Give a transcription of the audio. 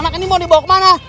anak ini mau dibawa kemana